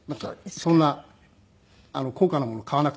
そんな高価なもの買わなくていいから。